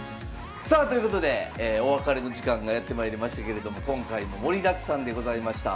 さあということでお別れの時間がやってまいりましたけれども今回も盛りだくさんでございました。